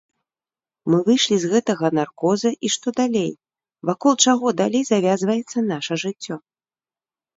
Мы выйшлі з гэтага наркоза, і што далей, вакол чаго далей завязваецца наша жыццё?